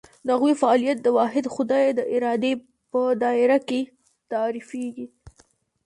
د هغوی فعالیت د واحد خدای د ارادې په دایره کې تعریفېږي.